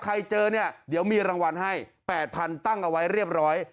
เจอเนี่ยเดี๋ยวมีรางวัลให้๘๐๐๐ตั้งเอาไว้เรียบร้อย